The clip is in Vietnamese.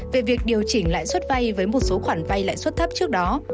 về việc điều chỉnh lãi suất vay với một số khoản vay lãi suất thấp trước đó